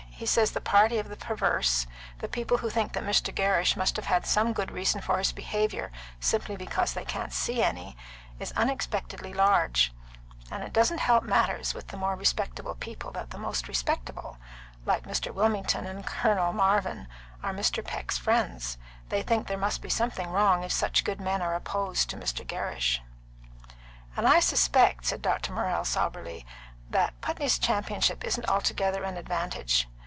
He says the party of the perverse the people who think Mr. Gerrish must have had some good reason for his behaviour, simply because they can't see any is unexpectedly large; and it doesn't help matters with the more respectable people that the most respectable, like Mr. Wilmington and Colonel Marvin, are Mr. Peck's friends. They think there must be something wrong if such good men are opposed to Mr. Gerrish." "And I suspect," said Dr. Morrell soberly, "that Putney's championship isn't altogether an advantage.